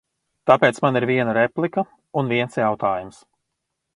Tāpēc man ir viena replika un viens jautājums.